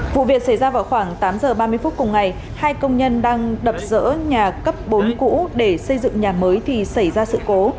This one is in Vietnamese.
vụ việc xảy ra vào khoảng tám giờ ba mươi phút cùng ngày hai công nhân đang đập dỡ nhà cấp bốn cũ để xây dựng nhà mới thì xảy ra sự cố